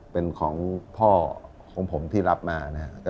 เป็นของพ่อของผมที่รับมานะครับ